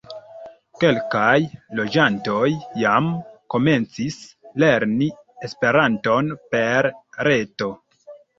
Kelkaj loĝantoj jam komencis lerni Esperanton per reto.